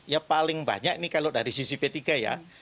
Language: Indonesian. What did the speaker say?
ya paling banyak ini kalau dari sisi p tiga ya